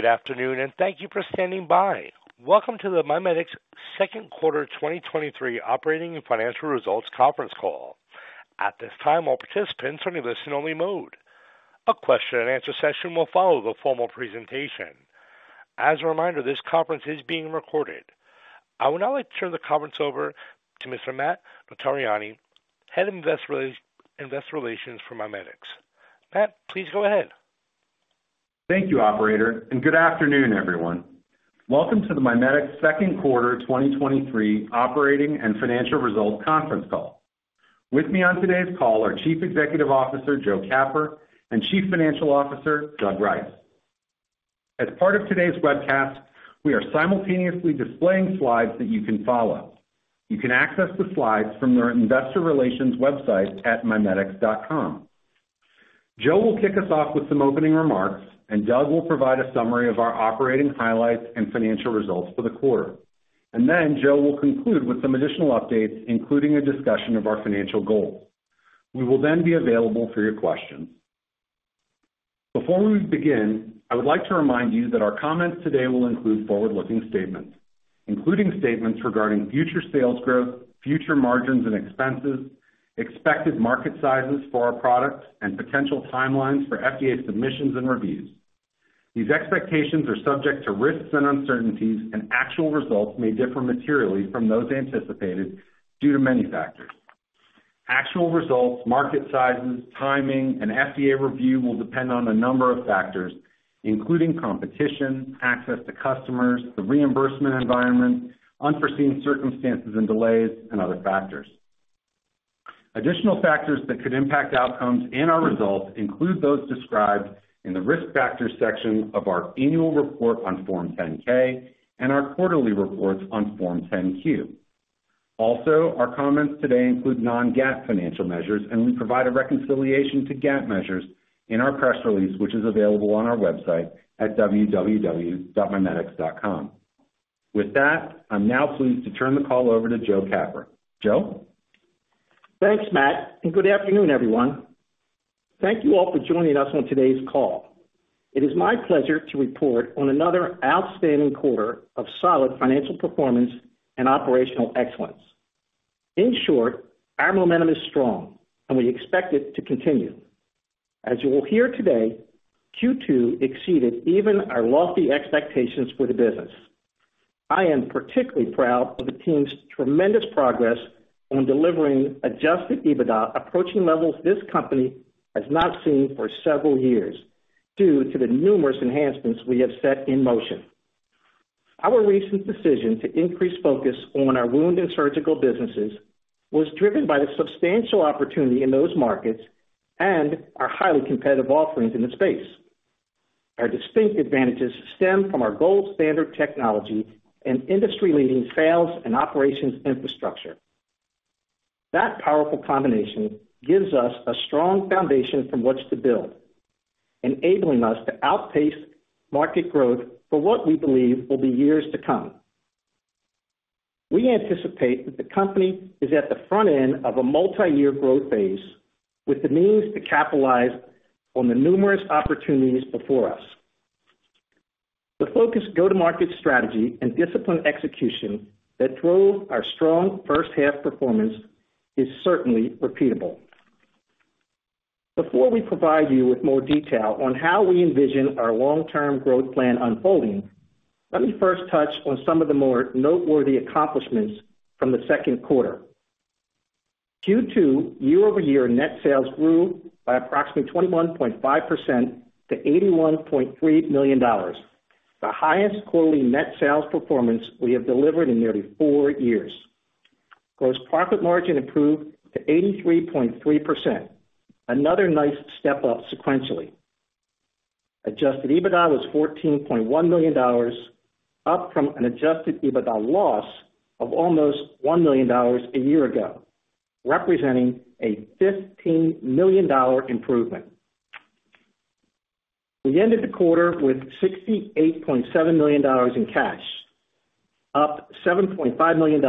Good afternoon, and thank you for standing by. Welcome to the MiMedx Second Quarter 2023 Operating and Financial Results Conference Call. At this time, all participants are in a listen-only mode. A question-and-answer session will follow the formal presentation. As a reminder, this conference is being recorded. I would now like to turn the conference over to Mr. Matt Notarianni, Head of Investor Relations for MiMedx. Matt, please go ahead. Thank you, operator, and good afternoon, everyone. Welcome to the MiMedx Second Quarter 2023 Operating and Financial Results Conference Call. With me on today's call are Chief Executive Officer, Joe Capper, and Chief Financial Officer, Doug Rice. As part of today's webcast, we are simultaneously displaying slides that you can follow. You can access the slides from our investor relations website at mimedx.com. Joe will kick us off with some opening remarks, and Doug will provide a summary of our operating highlights and financial results for the quarter. Then Joe will conclude with some additional updates, including a discussion of our financial goals. We will then be available for your questions. Before we begin, I would like to remind you that our comments today will include forward-looking statements, including statements regarding future sales growth, future margins and expenses, expected market sizes for our products, and potential timelines for FDA submissions and reviews. These expectations are subject to risks and uncertainties, and actual results may differ materially from those anticipated due to many factors. Actual results, market sizes, timing, and FDA review will depend on a number of factors, including competition, access to customers, the reimbursement environment, unforeseen circumstances and delays, and other factors. Additional factors that could impact outcomes and our results include those described in the Risk Factors section of our annual report on Form 10-K and our quarterly reports on Form 10-Q. Also, our comments today include non-GAAP financial measures, and we provide a reconciliation to GAAP measures in our press release, which is available on our website at www.mimedx.com. With that, I'm now pleased to turn the call over to Joe Capper. Joe? Thanks, Matt, and good afternoon, everyone. Thank you all for joining us on today's call. It is my pleasure to report on another outstanding quarter of solid financial performance and operational excellence. In short, our momentum is strong, and we expect it to continue. As you will hear today, Q2 exceeded even our lofty expectations for the business. I am particularly proud of the team's tremendous progress on delivering adjusted EBITDA, approaching levels this company has not seen for several years, due to the numerous enhancements we have set in motion. Our recent decision to increase focus on our wound and surgical businesses was driven by the substantial opportunity in those markets and our highly competitive offerings in the space. Our distinct advantages stem from our gold standard technology and industry-leading sales and operations infrastructure. That powerful combination gives us a strong foundation from which to build, enabling us to outpace market growth for what we believe will be years to come. We anticipate that the company is at the front end of a multi-year growth phase, with the means to capitalize on the numerous opportunities before us. The focused go-to-market strategy and disciplined execution that drove our strong first half performance is certainly repeatable. Before we provide you with more detail on how we envision our long-term growth plan unfolding, let me first touch on some of the more noteworthy accomplishments from the second quarter. Q2 year-over-year net sales grew by approximately 21.5% to $81.3 million, the highest quarterly net sales performance we have delivered in nearly four years. Gross profit margin improved to 83.3%, another nice step up sequentially. Adjusted EBITDA was $14.1 million, up from an adjusted EBITDA loss of almost $1 million a year ago, representing a $15 million improvement. We ended the quarter with $68.7 million in cash, up $7.5 million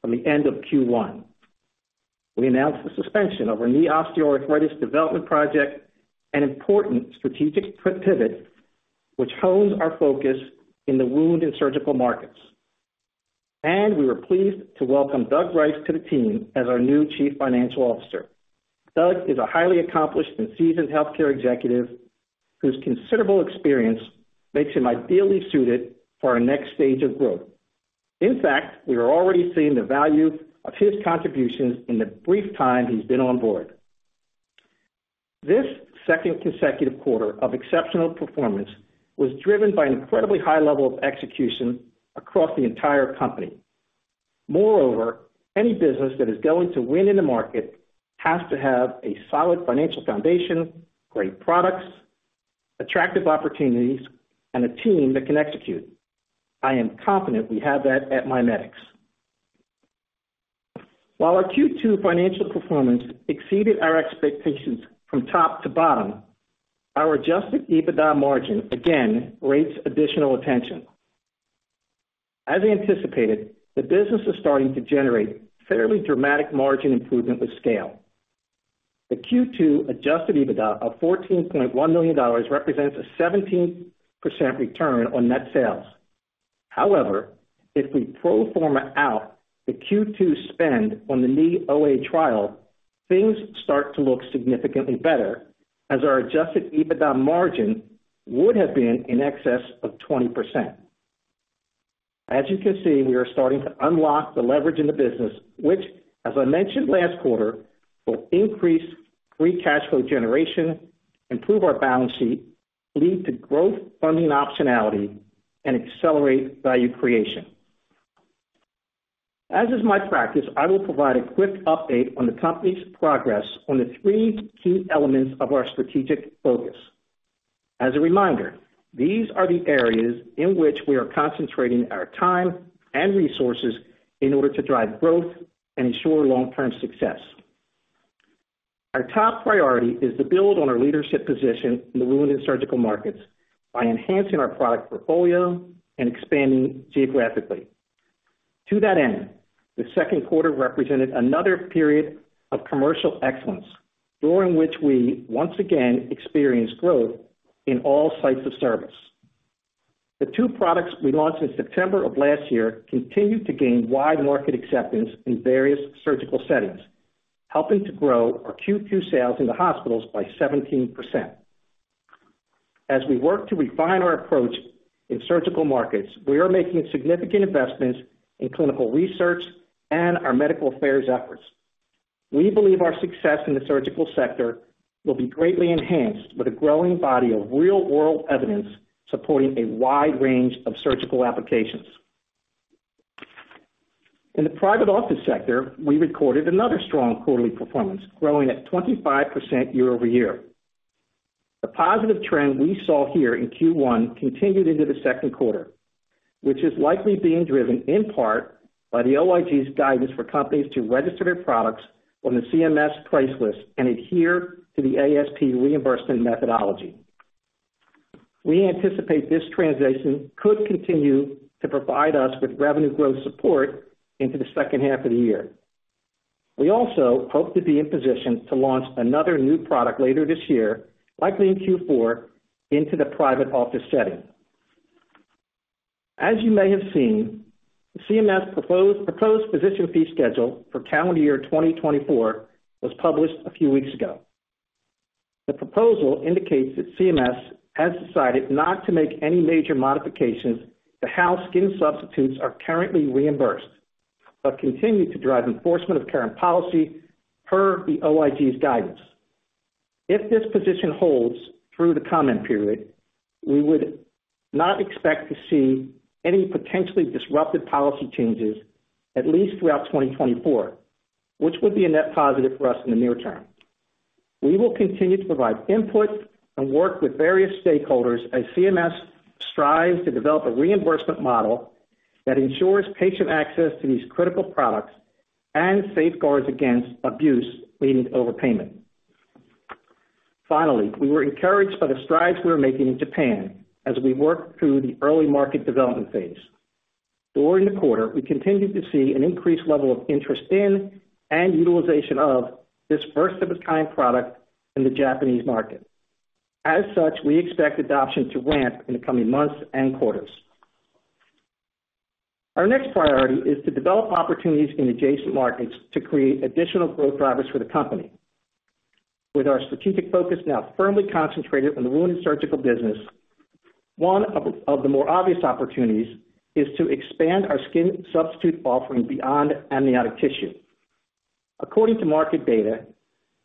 from the end of Q1. We announced the suspension of our knee osteoarthritis development project, an important strategic pivot, which hones our focus in the wound and surgical markets. We were pleased to welcome Doug Rice to the team as our new Chief Financial Officer. Doug is a highly accomplished and seasoned healthcare executive whose considerable experience makes him ideally suited for our next stage of growth. In fact, we are already seeing the value of his contributions in the brief time he's been on board. This second consecutive quarter of exceptional performance was driven by an incredibly high level of execution across the entire company. Moreover, any business that is going to win in the market has to have a solid financial foundation, great products, attractive opportunities, and a team that can execute. I am confident we have that at MiMedx. While our Q2 financial performance exceeded our expectations from top to bottom, our adjusted EBITDA margin again rates additional attention. As anticipated, the business is starting to generate fairly dramatic margin improvement with scale. The Q2 adjusted EBITDA of $14.1 million represents a 17% return on net sales. However, if we pro forma out the Q2 spend on the knee OA trial, things start to look significantly better, as our adjusted EBITDA margin would have been in excess of 20%. As you can see, we are starting to unlock the leverage in the business, which, as I mentioned last quarter, will increase free cash flow generation, improve our balance sheet, lead to growth funding optionality, and accelerate value creation. As is my practice, I will provide a quick update on the company's progress on the three key elements of our strategic focus. As a reminder, these are the areas in which we are concentrating our time and resources in order to drive growth and ensure long-term success. Our top priority is to build on our leadership position in the wounded surgical markets by enhancing our product portfolio and expanding geographically. To that end, the second quarter represented another period of commercial excellence, during which we once again experienced growth in all sites of service. The 2 products we launched in September of last year continued to gain wide market acceptance in various surgical settings, helping to grow our Q2 sales in the hospitals by 17%. As we work to refine our approach in surgical markets, we are making significant investments in clinical research and our medical affairs efforts. We believe our success in the surgical sector will be greatly enhanced with a growing body of real-world evidence supporting a wide range of surgical applications. In the private office sector, we recorded another strong quarterly performance, growing at 25% year-over-year. The positive trend we saw here in Q1 continued into the second quarter, which is likely being driven in part by the OIG's guidance for companies to register their products on the CMS price list and adhere to the ASP reimbursement methodology. We anticipate this transition could continue to provide us with revenue growth support into the second half of the year. We also hope to be in position to launch another new product later this year, likely in Q4, into the private office setting. As you may have seen, the CMS proposed Physician Fee Schedule for calendar year 2024 was published a few weeks ago. The proposal indicates that CMS has decided not to make any major modifications to how skin substitutes are currently reimbursed, but continue to drive enforcement of current policy per the OIG's guidance. If this position holds through the comment period, we would not expect to see any potentially disruptive policy changes at least throughout 2024, which would be a net positive for us in the near term. We will continue to provide input and work with various stakeholders as CMS strives to develop a reimbursement model that ensures patient access to these critical products and safeguards against abuse leading to overpayment. We were encouraged by the strides we are making in Japan as we work through the early market development phase. During the quarter, we continued to see an increased level of interest in and utilization of this first-of-its-kind product in the Japanese market. We expect adoption to ramp in the coming months and quarters. Our next priority is to develop opportunities in adjacent markets to create additional growth drivers for the company. With our strategic focus now firmly concentrated on the wounded surgical business, one of the more obvious opportunities is to expand our skin substitute offering beyond amniotic tissue. According to market data,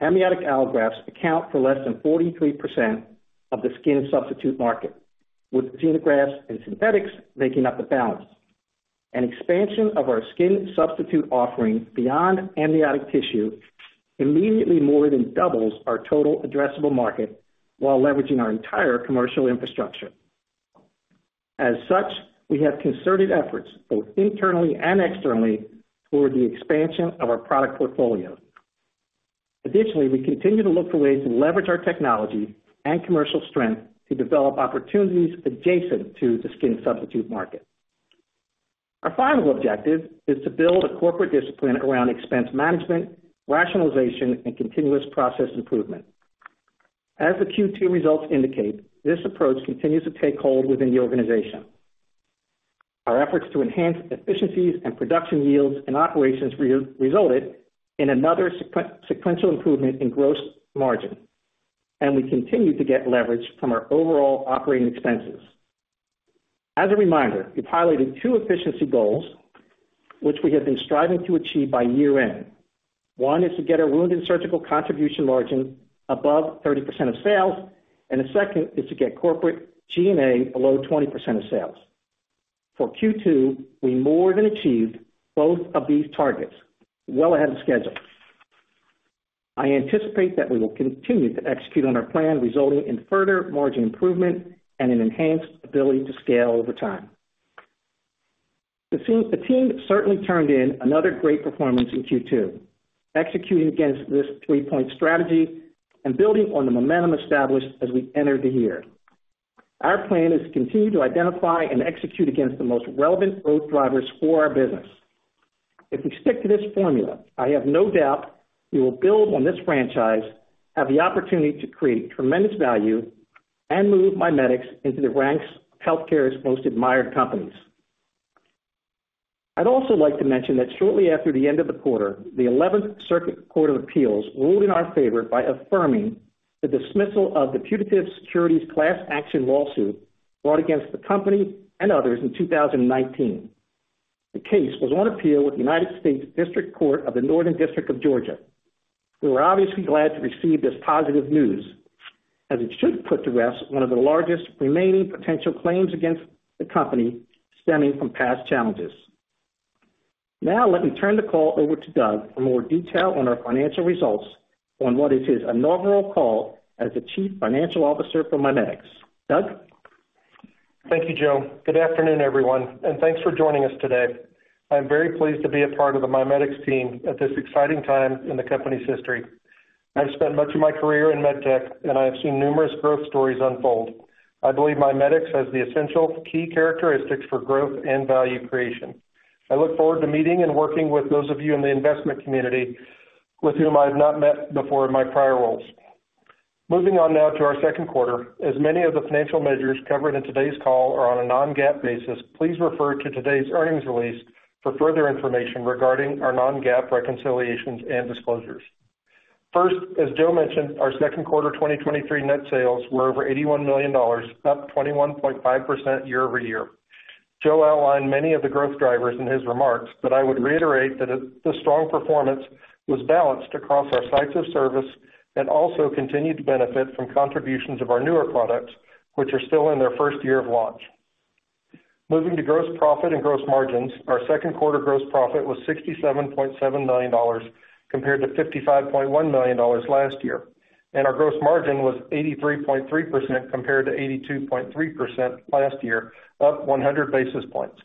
amniotic allografts account for less than 43% of the skin substitute market, with xenografts and synthetics making up the balance. An expansion of our skin substitute offering beyond amniotic tissue immediately more than doubles our total addressable market while leveraging our entire commercial infrastructure. As such, we have concerted efforts, both internally and externally, toward the expansion of our product portfolio. Additionally, we continue to look for ways to leverage our technology and commercial strength to develop opportunities adjacent to the skin substitute market. Our final objective is to build a corporate discipline around expense management, rationalization, and continuous process improvement. As the Q2 results indicate, this approach continues to take hold within the organization. Our efforts to enhance efficiencies and production yields in operations resulted in another sequential improvement in gross margin, and we continue to get leverage from our overall operating expenses. As a reminder, we've highlighted two efficiency goals, which we have been striving to achieve by year-end. One is to get our wounded surgical contribution margin above 30% of sales, and the second is to get corporate G&A below 20% of sales. For Q2, we more than achieved both of these targets well ahead of schedule. I anticipate that we will continue to execute on our plan, resulting in further margin improvement and an enhanced ability to scale over time. The team certainly turned in another great performance in Q2, executing against this three-point strategy and building on the momentum established as we enter the year. Our plan is to continue to identify and execute against the most relevant growth drivers for our business. If we stick to this formula, I have no doubt we will build on this franchise, have the opportunity to create tremendous value, and move MiMedx into the ranks of healthcare's most admired companies. I'd also like to mention that shortly after the end of the quarter, the Eleventh Circuit Court of Appeals ruled in our favor by affirming the dismissal of the putative securities class action lawsuit brought against the company and others in 2019. The case was on appeal with the United States District Court of the Northern District of Georgia. We were obviously glad to receive this positive news, as it should put to rest one of the largest remaining potential claims against the company stemming from past challenges. Now let me turn the call over to Doug for more detail on our financial results on what is his inaugural call as the Chief Financial Officer for MiMedx. Doug? Thank you, Joe. Good afternoon, everyone, thanks for joining us today. I'm very pleased to be a part of the MiMedx team at this exciting time in the company's history. I've spent much of my career in MedTech, I have seen numerous growth stories unfold. I believe MiMedx has the essential key characteristics for growth and value creation. I look forward to meeting and working with those of you in the investment community with whom I have not met before in my prior roles. Moving on now to our second quarter. As many of the financial measures covered in today's call are on a non-GAAP basis, please refer to today's earnings release for further information regarding our non-GAAP reconciliations and disclosures. First, as Joe mentioned, our second quarter 2023 net sales were over $81 million, up 21.5% year-over-year. Joe outlined many of the growth drivers in his remarks, I would reiterate that this strong performance was balanced across our sites of service and also continued to benefit from contributions of our newer products, which are still in their first year of launch. Moving to gross profit and gross margins. Our second quarter gross profit was $67.7 million, compared to $55.1 million last year, and our gross margin was 83.3% compared to 82.3% last year, up 100 basis points.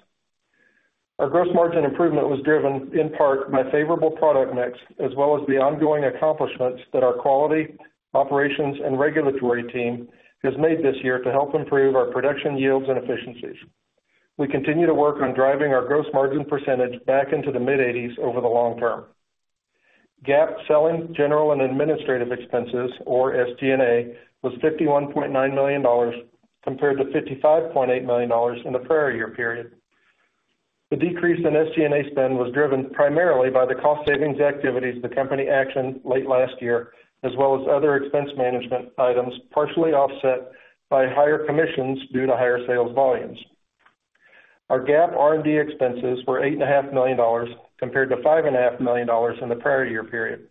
Our gross margin improvement was driven in part by favorable product mix, as well as the ongoing accomplishments that our quality, operations, and regulatory team has made this year to help improve our production yields and efficiencies. We continue to work on driving our gross margin percentage back into the mid-eighties over the long term. GAAP selling, general, and administrative expenses, or SG&A, was $51.9 million, compared to $55.8 million in the prior year period. The decrease in SG&A spend was driven primarily by the cost savings activities the company actioned late last year, as well as other expense management items, partially offset by higher commissions due to higher sales volumes. Our GAAP R&D expenses were $8.5 million, compared to $5.5 million in the prior year period.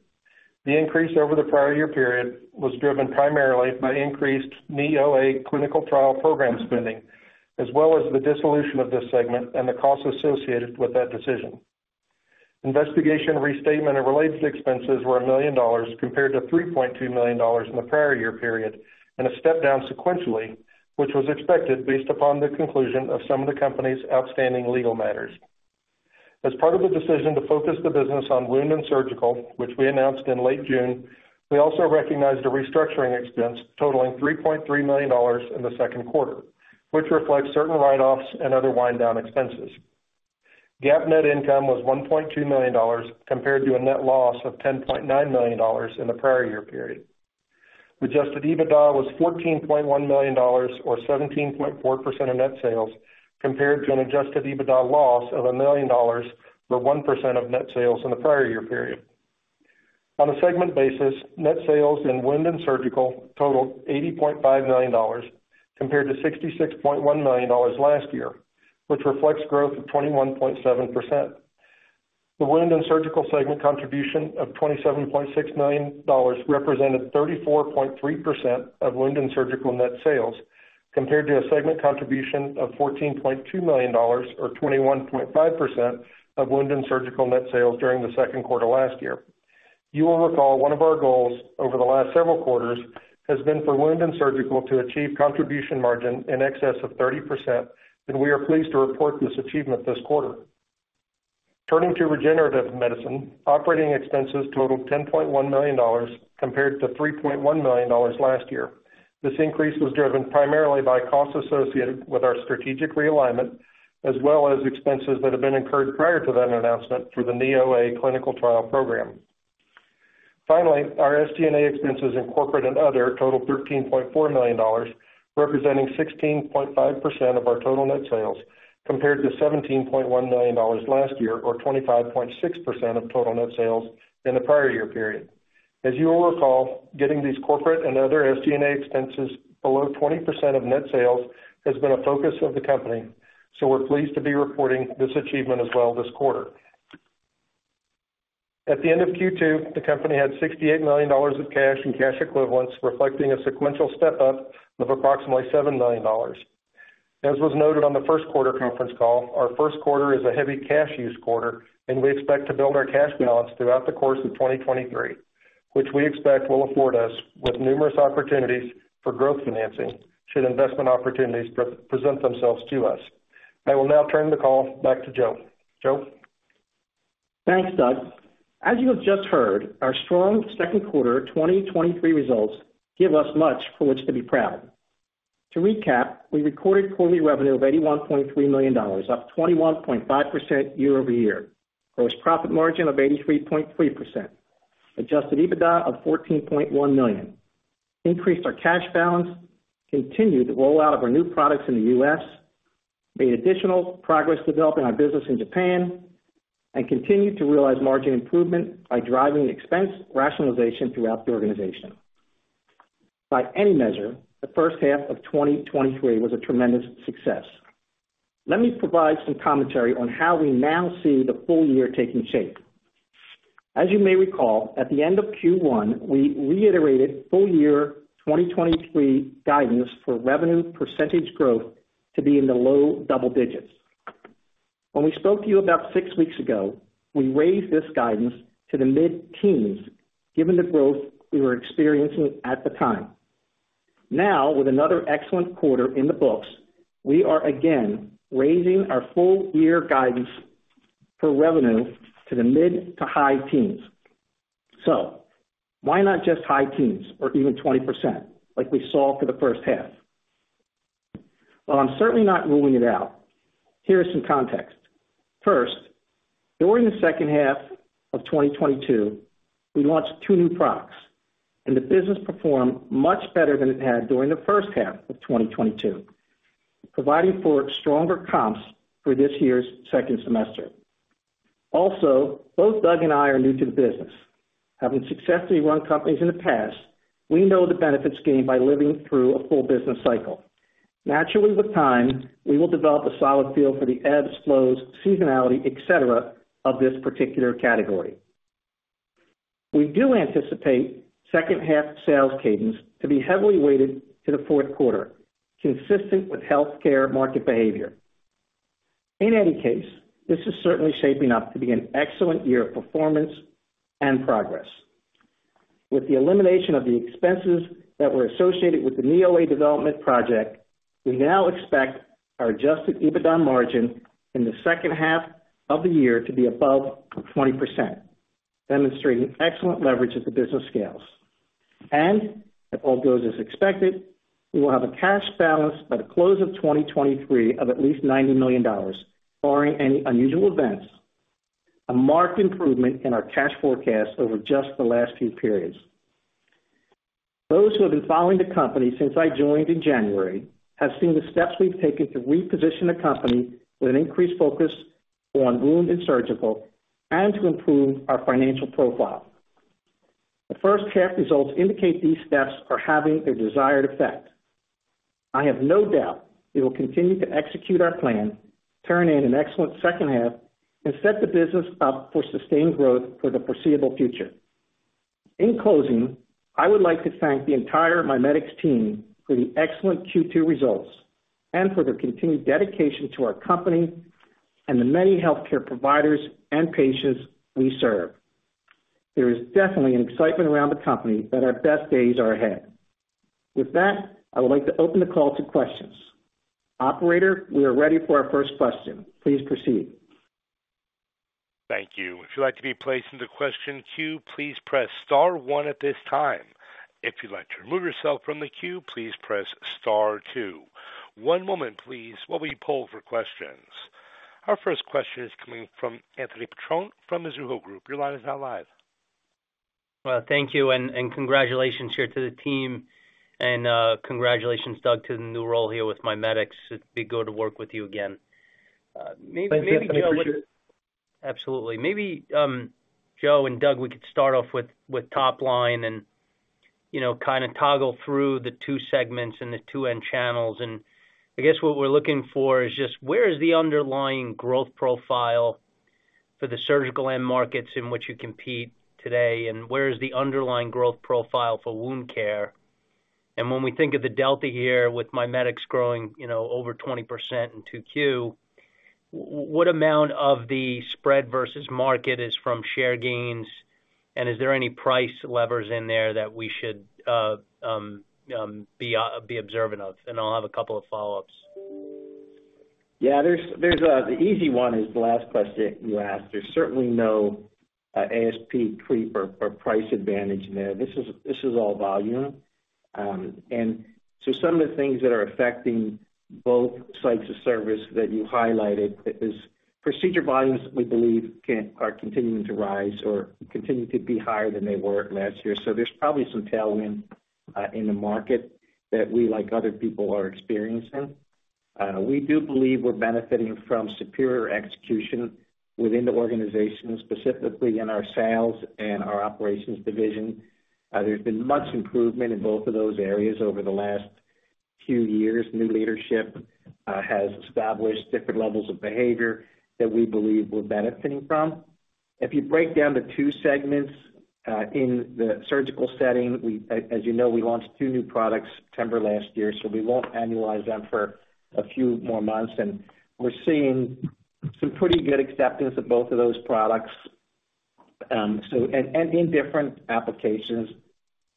The increase over the prior year period was driven primarily by increased Knee OA clinical trial program spending, as well as the dissolution of this segment and the costs associated with that decision. Investigation restatement and related expenses were $1 million, compared to $3.2 million in the prior year period, and a step down sequentially, which was expected based upon the conclusion of some of the company's outstanding legal matters. As part of the decision to focus the business on wound and surgical, which we announced in late June, we also recognized a restructuring expense totaling $3.3 million in the second quarter, which reflects certain write-offs and other wind-down expenses. GAAP net income was $1.2 million, compared to a net loss of $10.9 million in the prior year period. Adjusted EBITDA was $14.1 million, or 17.4% of net sales, compared to an adjusted EBITDA loss of $1 million, or 1% of net sales in the prior year period. On a segment basis, net sales in wound and surgical totaled $80.5 million, compared to $66.1 million last year, which reflects growth of 21.7%. The wound and surgical segment contribution of $27.6 million represented 34.3% of wound and surgical net sales, compared to a segment contribution of $14.2 million or 21.5% of wound and surgical net sales during the second quarter last year. You will recall, one of our goals over the last several quarters has been for wound and surgical to achieve contribution margin in excess of 30%, and we are pleased to report this achievement this quarter. Turning to regenerative medicine, operating expenses totaled $10.1 million, compared to $3.1 million last year. This increase was driven primarily by costs associated with our strategic realignment, as well as expenses that have been incurred prior to that announcement through the Knee OA clinical trial program. Our SG&A expenses in corporate and other totaled $13.4 million, representing 16.5% of our total net sales, compared to $17.1 million last year, or 25.6% of total net sales in the prior year period. As you will recall, getting these corporate and other SG&A expenses below 20% of net sales has been a focus of the company, so we're pleased to be reporting this achievement as well this quarter. At the end of Q2, the company had $68 million of cash and cash equivalents, reflecting a sequential step up of approximately $7 million. As was noted on the first quarter conference call, our first quarter is a heavy cash use quarter, and we expect to build our cash balance throughout the course of 2023, which we expect will afford us with numerous opportunities for growth financing should investment opportunities pre-present themselves to us. I will now turn the call back to Joe. Joe? Thanks, Doug. As you have just heard, our strong second quarter 2023 results give us much for which to be proud. To recap, we recorded quarterly revenue of $81.3 million, up 21.5% year-over-year. Gross profit margin of 83.3%. Adjusted EBITDA of $14.1 million. Increased our cash balance, continued the rollout of our new products in the US, made additional progress developing our business in Japan, continued to realize margin improvement by driving expense rationalization throughout the organization. By any measure, the first half of 2023 was a tremendous success. Let me provide some commentary on how we now see the full year taking shape. As you may recall, at the end of Q1, we reiterated full year 2023 guidance for revenue percentage growth to be in the low double digits. When we spoke to you about six weeks ago, we raised this guidance to the mid-teens, given the growth we were experiencing at the time. Now, with another excellent quarter in the books, we are again raising our full year guidance for revenue to the mid to high teens. Why not just high teens or even 20%, like we saw for the first half? Well, I'm certainly not ruling it out. Here is some context. First, during the second half of 2022, we launched two new products, and the business performed much better than it had during the first half of 2022, providing for stronger comps for this year's second semester. Both Doug and I are new to the business. Having successfully run companies in the past, we know the benefits gained by living through a full business cycle. Naturally, with time, we will develop a solid feel for the ebbs, flows, seasonality, et cetera, of this particular category. We do anticipate second half sales cadence to be heavily weighted to the fourth quarter, consistent with healthcare market behavior. In any case, this is certainly shaping up to be an excellent year of performance and progress. With the elimination of the expenses that were associated with the Knee OA development project, we now expect our adjusted EBITDA margin in the second half of the year to be above 20%, demonstrating excellent leverage as the business scales. If all goes as expected, we will have a cash balance by the close of 2023 of at least $90 million, barring any unusual events, a marked improvement in our cash forecast over just the last few periods. Those who have been following the company since I joined in January, have seen the steps we've taken to reposition the company with an increased focus on wound and surgical, and to improve our financial profile. The first half results indicate these steps are having their desired effect. I have no doubt we will continue to execute our plan, turn in an excellent second half, and set the business up for sustained growth for the foreseeable future. In closing, I would like to thank the entire MiMedx team for the excellent Q2 results and for their continued dedication to our company and the many healthcare providers and patients we serve. There is definitely an excitement around the company that our best days are ahead. With that, I would like to open the call to questions. Operator, we are ready for our first question. Please proceed. Thank you. If you'd like to be placed into question queue, please press star one at this time. If you'd like to remove yourself from the queue, please press star two. One moment, please, while we poll for questions. Our first question is coming from Anthony Petrone from Mizuho Group. Your line is now live. Well, thank you, and, and congratulations here to the team. Congratulations, Doug, to the new role here with MiMedx. It'd be good to work with you again. maybe... Thank you, Anthony, appreciate it. Absolutely. Maybe, Joe and Doug, we could start off with, with top line and, you know, kind of toggle through the two segments and the two end channels. I guess what we're looking for is just where is the underlying growth profile for the surgical end markets in which you compete today? Where is the underlying growth profile for wound care? When we think of the delta here, with MiMedx growing, you know, over 20% in 2Q, what amount of the spread versus market is from share gains, and is there any price levers in there that we should be observant of? I'll have a couple of follow-ups. Yeah, there's, there's... The easy one is the last question you asked. There's certainly no ASP creep or price advantage there. This is, this is all volume. So some of the things that are affecting both sites of service that you highlighted is procedure volumes, we believe, are continuing to rise or continue to be higher than they were last year. There's probably some tailwind in the market that we, like other people, are experiencing. We do believe we're benefiting from superior execution within the organization, specifically in our sales and our operations division. There's been much improvement in both of those areas over the last few years. New leadership has established different levels of behavior that we believe we're benefiting from. If you break down the two segments, in the surgical setting, as you know, we launched two new products September last year, so we won't annualize them for a few more months. We're seeing some pretty good acceptance of both of those products. In different applications,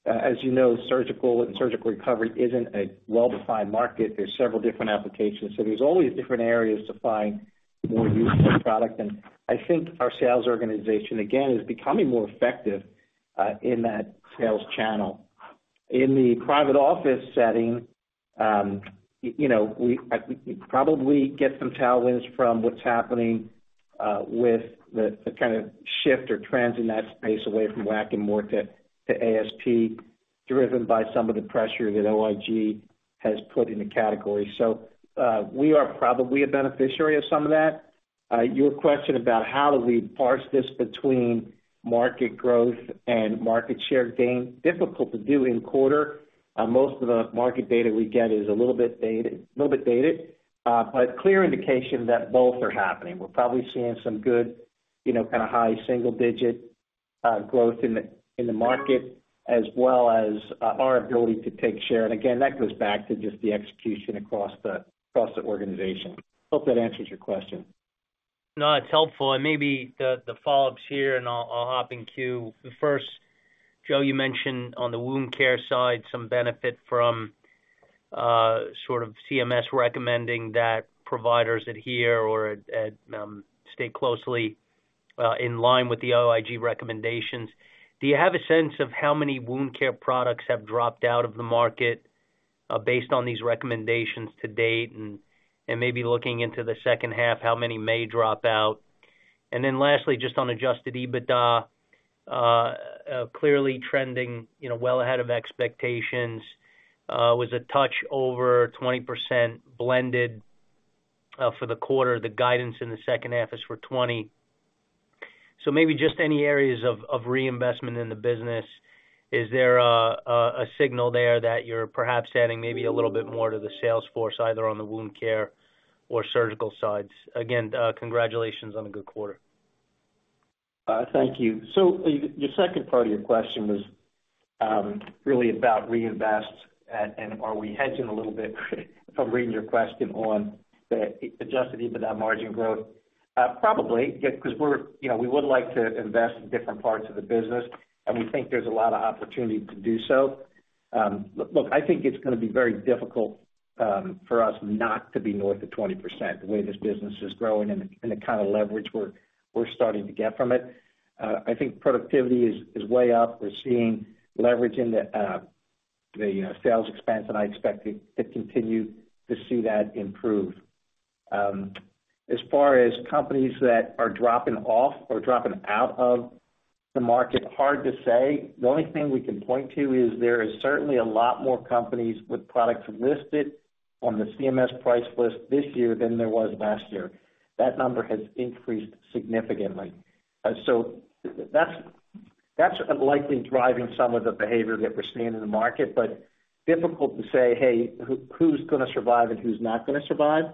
as you know, surgical and surgical recovery isn't a well-defined market. There's several different applications, so there's always different areas to find more use of the product. I think our sales organization, again, is becoming more effective in that sales channel. In the private office setting, you know, we probably get some tailwinds from what's happening with the kind of shift or trends in that space away from WAC and more to ASP, driven by some of the pressure that OIG has put in the category. We are probably a beneficiary of some of that. Your question about how do we parse this between market growth and market share gain, difficult to do in quarter. Most of the market data we get is a little bit dated, a little bit dated, but clear indication that both are happening. We're probably seeing some good, you know, kind of high single-digit growth in the market, as well as our ability to take share. Again, that goes back to just the execution across the organization. Hope that answers your question. No, it's helpful. Maybe the, the follow-ups here, and I'll, I'll hop in queue. The first, Joe, you mentioned on the wound care side, some benefit from, sort of CMS recommending that providers adhere or at, at, stay closely in line with the OIG recommendations. Do you have a sense of how many wound care products have dropped out of the market, based on these recommendations to date? Maybe looking into the second half, how many may drop out? Lastly, just on adjusted EBITDA, clearly trending, you know, well ahead of expectations, with a touch over 20% blended for the quarter. The guidance in the second half is for 20%. Maybe just any areas of, of reinvestment in the business. Is there a, a, a signal there that you're perhaps adding maybe a little bit more to the Salesforce, either on the wound care or surgical sides? Again, congratulations on a good quarter. Thank you. The, the second part of your question was really about reinvest and, and are we hedging a little bit from reading your question on the adjusted EBITDA margin growth? Probably, yeah, 'cause we're, you know, we would like to invest in different parts of the business, and we think there's a lot of opportunity to do so. Look, I think it's gonna be very difficult for us not to be north of 20%, the way this business is growing and the, and the kind of leverage we're, we're starting to get from it. I think productivity is, is way up. We're seeing leverage in the, the sales expense, and I expect to, to continue to see that improve. As far as companies that are dropping off or dropping out of the market, hard to say. The only thing we can point to is there is certainly a lot more companies with products listed on the CMS price list this year than there was last year. That number has increased significantly. That's, that's likely driving some of the behavior that we're seeing in the market, but difficult to say, "Hey, who, who's gonna survive and who's not gonna survive?"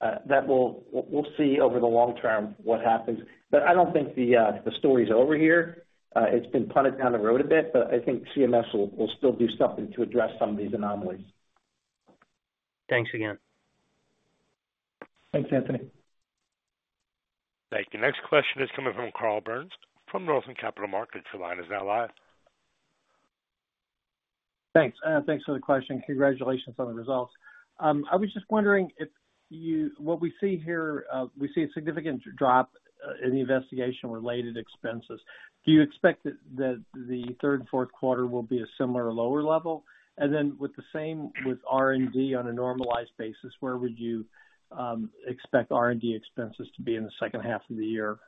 That we'll, we'll, we'll see over the long term what happens. I don't think the story's over here. It's been punted down the road a bit, but I think CMS will, will still do something to address some of these anomalies. Thanks again. Thanks, Anthony. Thank you. Next question is coming from Carl Byrnes from Northland Capital Markets. Your line is now live. Thanks, thanks for the question. Congratulations on the results. I was just wondering if you. What we see here, we see a significant drop in the investigation-related expenses. Do you expect that, that the third and fourth quarter will be a similar or lower level? Then with the same, with R&D on a normalized basis, where would you expect R&D expenses to be in the second half of the year?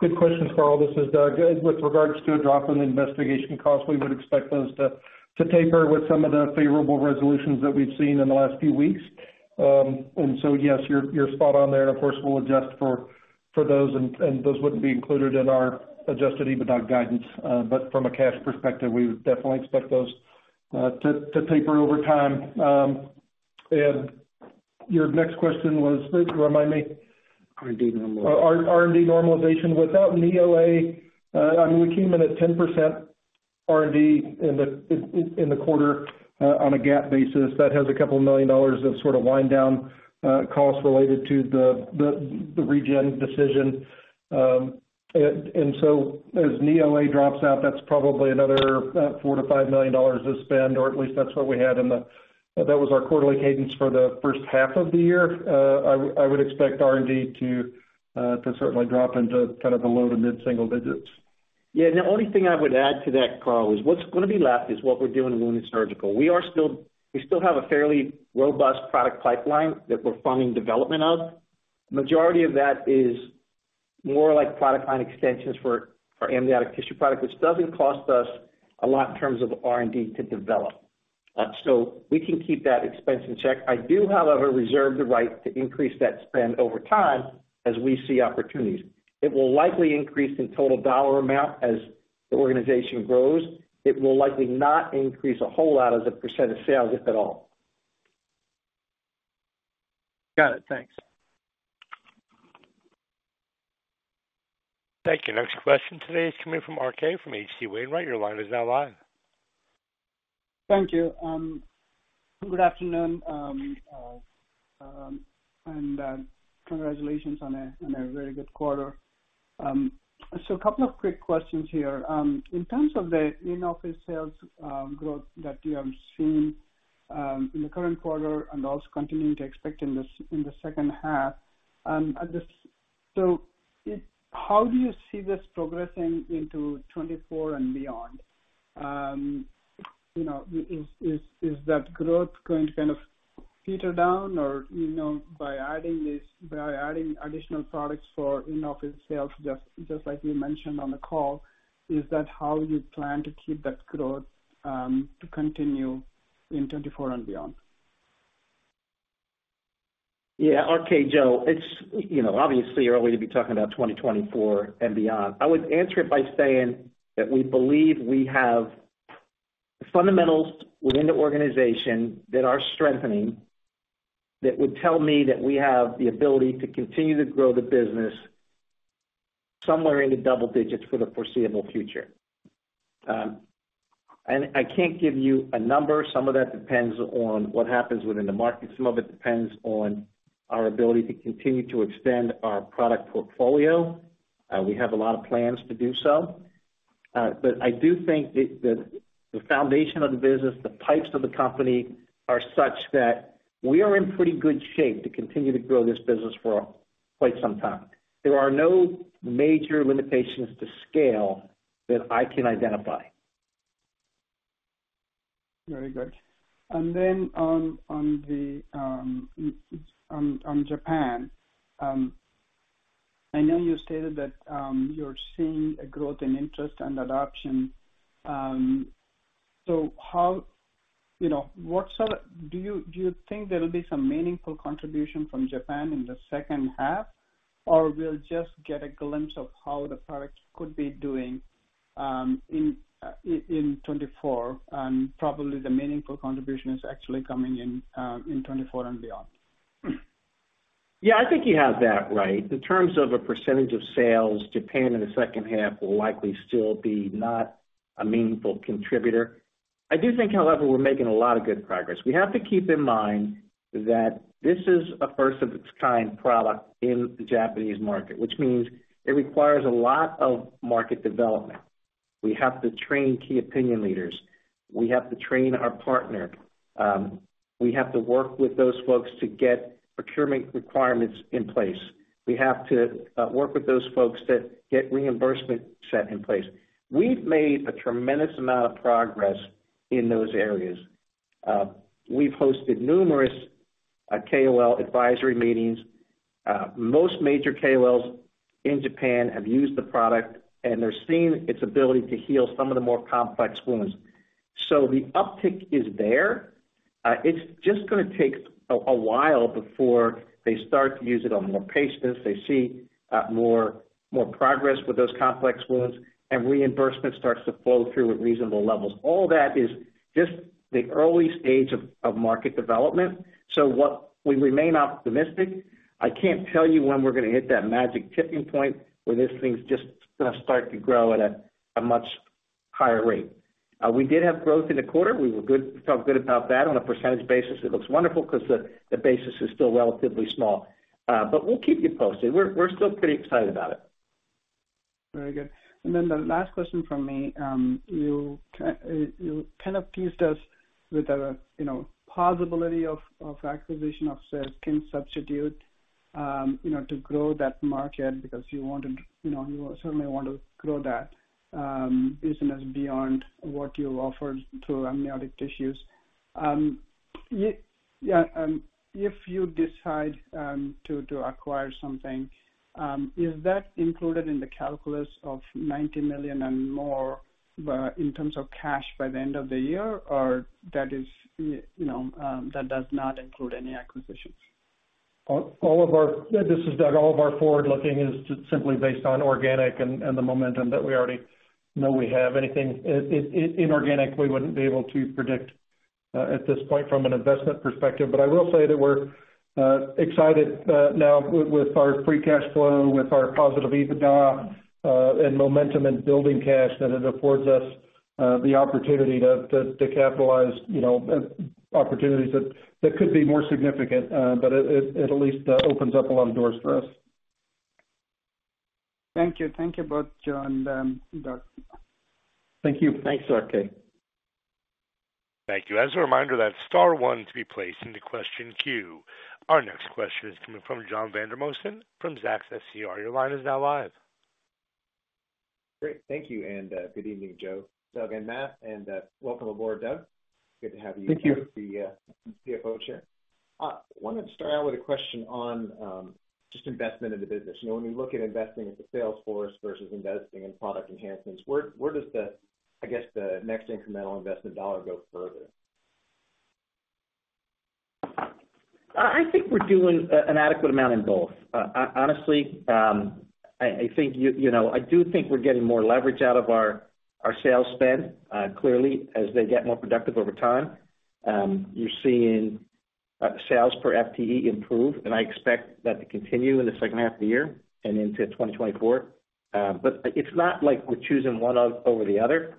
Good question, Carl. This is Doug. With regards to a drop in the investigation cost, we would expect those to taper with some of the favorable resolutions that we've seen in the last few weeks. Yes, you're spot on there, and of course, we'll adjust for those, and those wouldn't be included in our adjusted EBITDA guidance. From a cash perspective, we would definitely expect those to taper over time. Your next question was, remind me? R&D normalization. R&D normalization. Without Knee OA, I mean, we came in at 10% R&D in the quarter on a GAAP basis. That has a couple of million dollars of sort of wind down costs related to the regen decision. And so as Knee OA drops out, that's probably another $4 million-$5 million to spend, or at least that's what we had. That was our quarterly cadence for the first half of the year. I would expect R&D to certainly drop into kind of the low to mid single digits. Yeah, the only thing I would add to that, Carl, is what's gonna be left is what we're doing in wound and surgical. We still have a fairly robust product pipeline that we're funding development of. Majority of that is more like product line extensions for, for amniotic tissue product, which doesn't cost us a lot in terms of R&D to develop. We can keep that expense in check. I do, however, reserve the right to increase that spend over time as we see opportunities. It will likely increase in total dollar amount as the organization grows. It will likely not increase a whole lot as a percentage of sales, if at all. Got it. Thanks. Thank you. Next question today is coming from R. K. from H.C. Wainwright. Your line is now live. Thank you. Good afternoon. Congratulations on a, on a very good quarter. A couple of quick questions here. In terms of the in-office sales growth that you have seen in the current quarter and also continuing to expect in the second half, how do you see this progressing into 2024 and beyond? You know, is that growth going to kind of filter down or, you know, by adding this, by adding additional products for in-office sales, just, just like you mentioned on the call, is that how you plan to keep that growth to continue in 2024 and beyond? Yeah. Okay, Joe, it's, you know, obviously early to be talking about 2024 and beyond. I would answer it by saying that we believe we have fundamentals within the organization that are strengthening, that would tell me that we have the ability to continue to grow the business somewhere in the double digits for the foreseeable future. I can't give you a number. Some of that depends on what happens within the market. Some of it depends on our ability to continue to extend our product portfolio. We have a lot of plans to do so. I do think that the, the foundation of the business, the pipes of the company, are such that we are in pretty good shape to continue to grow this business for quite some time. There are no major limitations to scale that I can identify. Very good. Then, on Japan, I know you stated that you're seeing a growth in interest and adoption. How, you know, what sort of do you, do you think there will be some meaningful contribution from Japan in the second half, or we'll just get a glimpse of how the product could be doing in 2024, and probably the meaningful contribution is actually coming in 2024 and beyond? Yeah, I think you have that right. In terms of a percentage of sales, Japan in the second half will likely still be not a meaningful contributor. I do think, however, we're making a lot of good progress. We have to keep in mind that this is a first of its kind product in the Japanese market, which means it requires a lot of market development. We have to train key opinion leaders. We have to train our partner. We have to work with those folks to get procurement requirements in place. We have to work with those folks to get reimbursement set in place. We've made a tremendous amount of progress in those areas. We've hosted numerous KOL advisory meetings. Most major KOLs in Japan have used the product, and they're seeing its ability to heal some of the more complex wounds. The uptick is there. It's just gonna take a while before they start to use it on more patients, they see more, more progress with those complex wounds, and reimbursement starts to flow through at reasonable levels. All that is just the early stage of market development. We remain optimistic. I can't tell you when we're gonna hit that magic tipping point, when this thing's just gonna start to grow at a much higher rate. We did have growth in the quarter. We were good, felt good about that. On a percentage basis, it looks wonderful because the basis is still relatively small. We'll keep you posted. We're, we're still pretty excited about it. Very good. Then the last question from me. You kind of teased us with a, you know, possibility of acquisition of skin substitute, you know, to grow that market because you want to, you know, you certainly want to grow that business beyond what you offered through amniotic tissues. Yeah, if you decide to acquire something, is that included in the calculus of $90 million and more in terms of cash by the end of the year, or that is, you know, that does not include any acquisitions? All of our... This is Doug. All of our forward-looking is just simply based on organic and the momentum that we already know we have. Anything inorganic, we wouldn't be able to predict at this point from an investment perspective. I will say that we're excited now with our free cash flow, with our positive EBITDA, and momentum and building cash, that it affords us the opportunity to capitalize, you know, opportunities that could be more significant. It at least opens up a lot of doors for us. Thank you. Thank you both, Joe and Doug. Thank you. Thanks, RK. Thank you. As a reminder, that's star one to be placed into question queue. Our next question is coming from John Vandermosten from Zacks SCR. Your line is now live. Great. Thank you, and, good evening, Joe, Doug, and Matt, and, welcome aboard, Doug. Good to have. Thank you. With the CFO chair. Wanted to start out with a question on just investment in the business. You know, when you look at investing into Salesforce versus investing in product enhancements, where, where does the, I guess, the next incremental investment dollar go further? I think we're doing an adequate amount in both. Honestly, I think, you know, I do think we're getting more leverage out of our sales spend, clearly, as they get more productive over time. You're seeing sales per FTE improve. I expect that to continue in the second half of the year and into 2024. It's not like we're choosing one of over the other.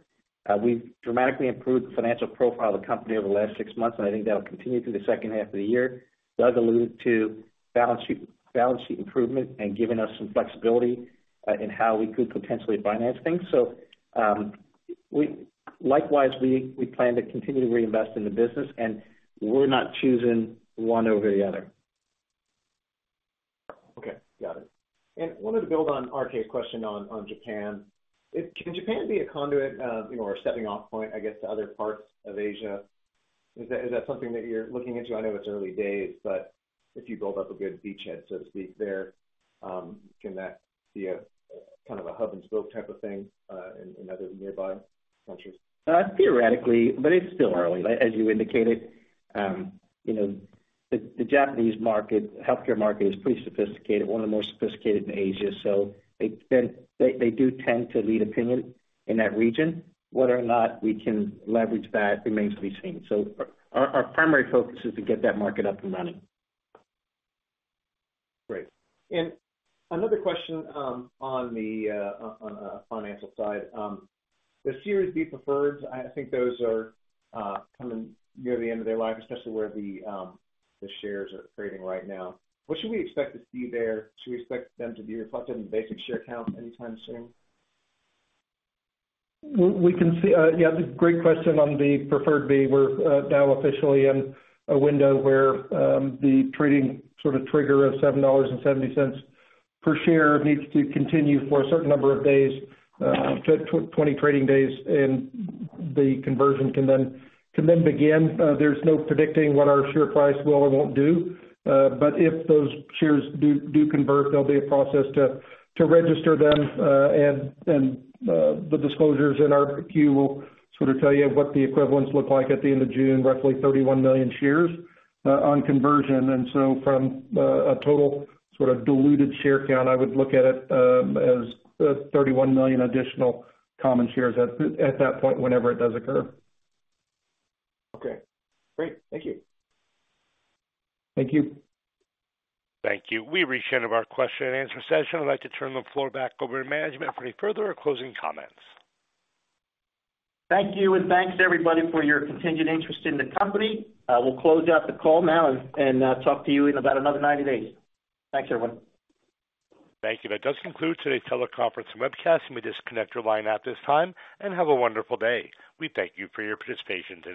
We've dramatically improved the financial profile of the company over the last six months. I think that'll continue through the second half of the year. Doug alluded to balance sheet, balance sheet improvement and giving us some flexibility in how we could potentially finance things. Likewise, we plan to continue to reinvest in the business. We're not choosing one over the other. Okay, got it. Wanted to build on R. K. question on, on Japan. Can Japan be a conduit, you know, or a stepping off point, I guess, to other parts of Asia? Is that, is that something that you're looking into? I know it's early days, but if you build up a good beachhead, so to speak, there, can that be a, kind of a hub-and-spoke type of thing, in, in other nearby countries? Theoretically, it's still early. As you indicated, you know, the Japanese market, healthcare market is pretty sophisticated, one of the more sophisticated in Asia, they do tend to lead opinion in that region. Whether or not we can leverage that remains to be seen. Our, our primary focus is to get that market up and running. Great. Another question, on the financial side. The Series B preferred, I think those are coming near the end of their life, especially where the shares are trading right now. What should we expect to see there? Should we expect them to be reflected in the basic share count anytime soon? We, we can see, yeah, great question on the preferred B. We're now officially in a window where the trading sort of trigger of $7.70 per share needs to continue for a certain number of days, 20 trading days, the conversion can then begin. There's no predicting what our share price will or won't do, but if those shares do, do convert, there'll be a process to, to register them, and the disclosures in our Q will sort of tell you what the equivalents look like at the end of June, roughly 31 million shares on conversion. From a total sort of diluted share count, I would look at it as 31 million additional common shares at that point, whenever it does occur. Okay, great. Thank you. Thank you. Thank you. We've reached the end of our question and answer session. I'd like to turn the floor back over to management for any further or closing comments. Thank you, thanks to everybody for your contingent interest in the company. We'll close out the call now and talk to you in about another 90 days. Thanks, everyone. Thank you. That does conclude today's teleconference and webcast. You may disconnect your line at this time, and have a wonderful day. We thank you for your participation today.